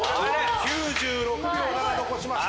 ９６秒７残しました。